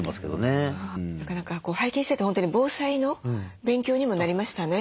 なかなか拝見してて本当に防災の勉強にもなりましたね。